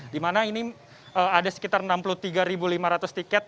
di mana ini ada sekitar enam puluh tiga lima ratus tiket